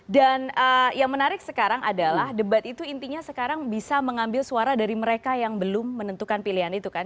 dan yang menarik sekarang adalah debat itu intinya sekarang bisa mengambil suara dari mereka yang belum menentukan pilihan itu kan